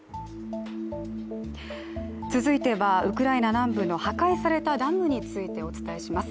続いては、ウクライナ南部の破壊されたダムについてお伝えします。